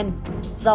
do người chị họ